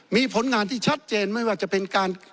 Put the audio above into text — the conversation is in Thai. มีผลงานที่ชัดเจนไม่ว่าจะเป็นการ